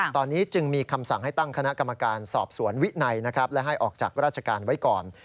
ตอนนี้จึงมีคำสั่งให้ตั้งคณะกรรมการสอบสวนวินัยนะครับและให้ออกจากราชการไว้ก่อน